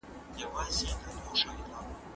دا ظرفیت په غیرمستقیم ډول لوړېده.